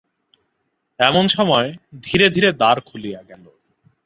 এমন সময় ধীরে ধীরে দ্বার খুলিয়া গেল।